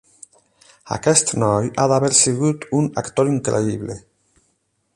Aquest noi ha d'haver sigut un actor increïble.